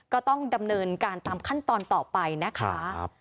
ก็ต้องดำเนินการตามขั้นตอนต่อไปนะคะ